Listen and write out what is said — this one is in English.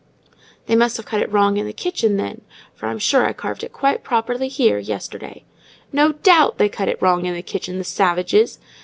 "They must have cut it wrong in the kitchen, then, for I'm sure I carved it quite properly here, yesterday." "No doubt they cut it wrong in the kitchen—the savages!